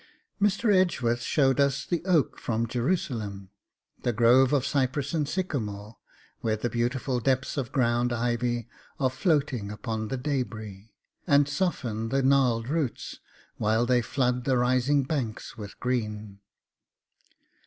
Mr. Edgeworth showed us the oak from Jerusalem, the grove of cypress and sycamore where the beautiful depths of ground ivy are floating upon the DEBRIS, and soften the gnarled roots, while they flood the rising banks with green.